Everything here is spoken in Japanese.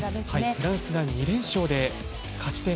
フランスが２連勝で勝ち点６。